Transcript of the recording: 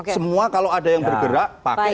semua kalau ada yang bergerak pakai